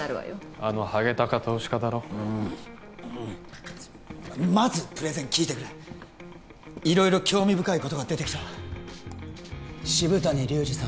あのハゲタカ投資家だろうんうんまずプレゼン聞いてくれ色々興味深いことが出てきた渋谷隆治さん